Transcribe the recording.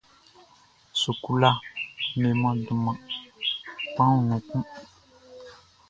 Sukula leman dunman kpanwun nun kun.